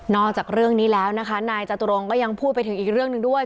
จากเรื่องนี้แล้วนะคะนายจตุรงก็ยังพูดไปถึงอีกเรื่องหนึ่งด้วย